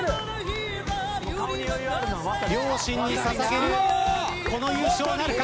両親に捧げる優勝なるか。